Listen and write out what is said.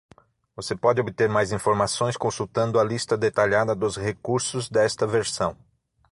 Você pode obter mais informações consultando a lista detalhada dos recursos desta versão.